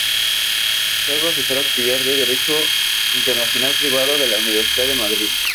Fue profesor auxiliar de Derecho Internacional Privado de la Universidad de Madrid.